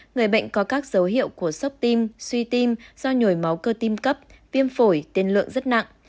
người bệnh có các dấu hiệu của sốc tim suy tim do nhồi máu cơ tim cấp viêm phổi tiên lượng rất nặng